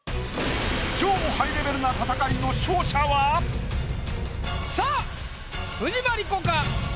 超ハイレベルな戦いの勝者は⁉さあ藤真利子か？